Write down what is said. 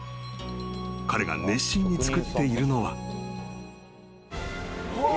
［彼が熱心に作っているのは］